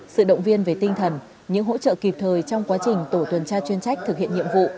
sự động viên về tinh thần những hỗ trợ kịp thời trong quá trình tổ tuần tra chuyên trách thực hiện nhiệm vụ